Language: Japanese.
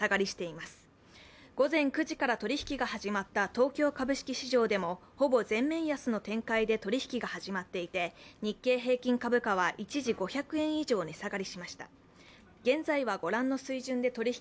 午前９時から取り引きが始まった東京株式市場でもほぼ全面安の展開で取引が始まっていて、日経平均株価は一時５００円以上値下がりしました。